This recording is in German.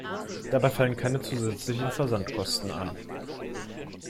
Dabei fallen keine zusätzlichen Versandkosten an.